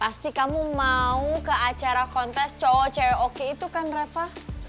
pasti kamu mau ke acara kontes cowok cewek oke itu kan reva